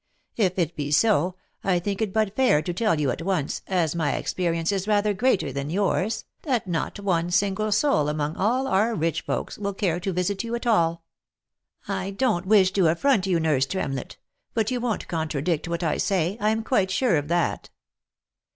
If it be so, I think it but fair to tell you at once, as my experience is rather greater than yours, that not one single soul among all our rich folks, will care to visit you at all. I don't wish to affront you, nurse Tremlett ; but you won't contradict what I say, I am quite sure of that."